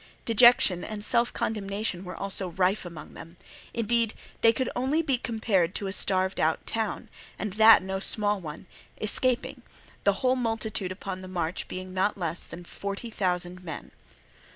Dejection and self condemnation were also rife among them. Indeed they could only be compared to a starved out town, and that no small one, escaping; the whole multitude upon the march being not less than forty thousand men.